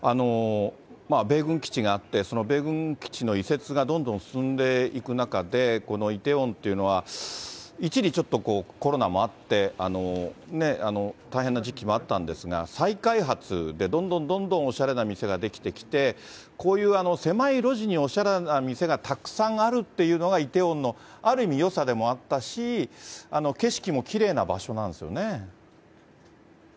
米軍基地があって、その米軍基地の移設がどんどん進んでいく中で、このイテウォンというのは一時、ちょっとコロナもあって、大変な時期もあったんですが、再開発でどんどんどんどんおしゃれな店が出来てきて、こういう狭い路地におしゃれな店がたくさんあるっていうのが、イテウォンのある意味、よさでもあったし、景色もきれいな場所なんですよね。